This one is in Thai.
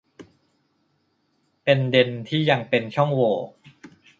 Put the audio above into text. เป็นเด็นที่ยังเป็นช่องโหว่